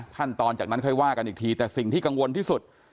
ขั้นตอนจากนั้นค่อยว่ากันอีกทีแต่สิ่งที่กังวลที่สุด